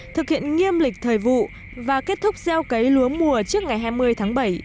thực hiện nghiêm lịch thời vụ và kết thúc gieo cấy lúa mùa trước ngày hai mươi tháng bảy